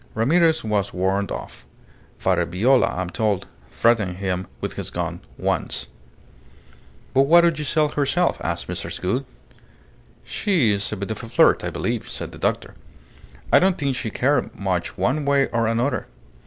Ramirez was warned off. Father Viola, I am told, threatened him with his gun once." "But what of Giselle herself?" asked Mrs. Gould. "She's a bit of a flirt, I believe," said the doctor. "I don't think she cared much one way or another.